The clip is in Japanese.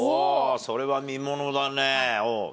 それは見ものだね。